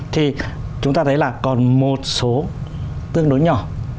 thì chúng ta thấy là còn một số tương đối nhỏ